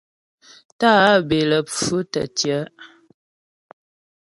Tá'ǎ bə́ é lé pfʉ tə́ tyɛ̌'.